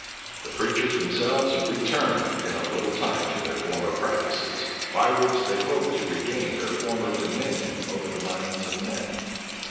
The preachers themselves returned in a little time to their former practices, by which they hoped to regain their former dominion over the minds of men.